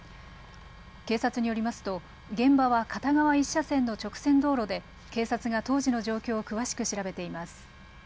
警察によりますと現場は片側１車線の直線道路で警察が当時の状況を詳しく調べています。